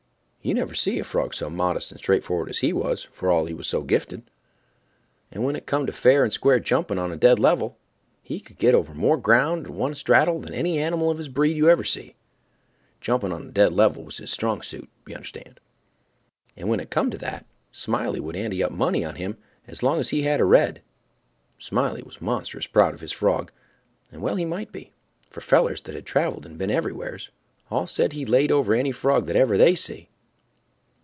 You never see a frog so modest and straightfor'ard as he was, for all he was so gifted. And when it come to fair and square jumping on a dead level, he could get over more ground at one straddle than any animal of his breed you ever see. Jumping on a dead level was his strong suit, you understand; and when it come to that, Smiley would ante up money on him as long as he had a red. Smiley was monstrous proud of his frog, and well he might be, for fellers that had traveled and been everywheres, all said he laid over any frog that ever they see.